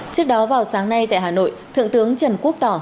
trước đó vào sáng nay tại hà nội thượng tướng trần quốc tỏ